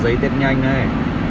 giấy đét nhanh đấy